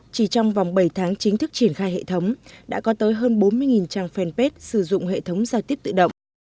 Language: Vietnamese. chỉ trong vòng bảy tháng chính thức triển khai hệ thống đã có tới hơn bốn mươi trang fanpage sử dụng hệ thống giao tiếp tự động